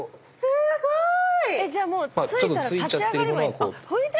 すごーい！